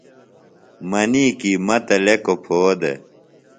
منی کی مہ تہ لیکوۡ پھو دےۡ